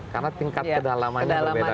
karena tingkat kedalamannya berbeda beda